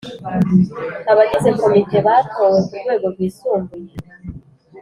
Abagize Komite batowe ku rwego rwisumbuye